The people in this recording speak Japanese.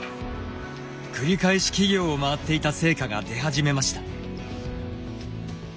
繰り返し企業を回っていた成果が出始めました。